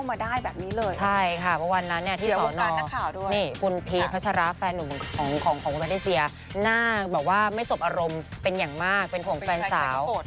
ไม่อยากให้ใครต้องมาทำไม่อยากให้ใครต้องมาเจอค่ะ